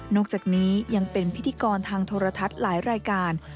จากนี้ยังเป็นพิธีกรทางโทรทัศน์หลายรายการ